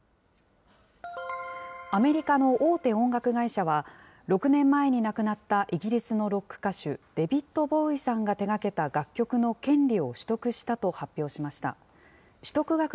アメリカの大手音楽会社は６年前に亡くなったイギリスのロック歌手、デビッド・ボウイさんが手がけた楽曲の権利を取得したと発表しました。